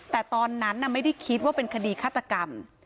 แต่ตอนนั้นไม่ได้คิดว่าเป็นคดีฆาตกรรม